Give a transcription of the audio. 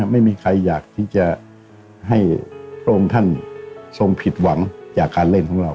ไม่มีใครอยากที่จะให้พระองค์ท่านทรงผิดหวังจากการเล่นของเรา